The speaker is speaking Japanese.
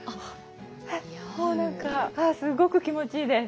なんかすっごく気持ちいいです。